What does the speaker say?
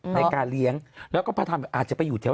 ในการเลี้ยงแล้วก็พอทำอาจจะไปอยู่เที่ยว